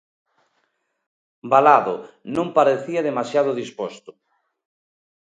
Valado non parecía demasiado disposto.